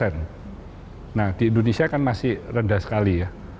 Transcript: nah di indonesia kan masih rendah sekali ya